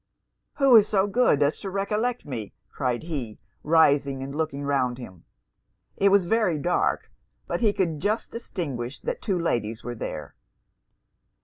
'Who is so good as to recollect me?' cried he, rising and looking round him. It was very dark; but he could just distinguish that two ladies were there.